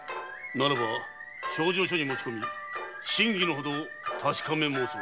ならば評定所に持ち込み真偽のほどを確かめ申そう。